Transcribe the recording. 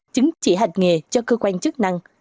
chứng chỉ hành nghề cho cơ quan chức năng